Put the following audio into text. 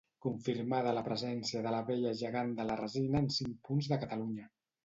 Confirmada la presència de l'abella gegant de la resina en cinc punts de Catalunya.